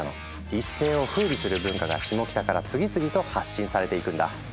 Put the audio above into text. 一世をふうびする文化がシモキタから次々と発信されていくんだ。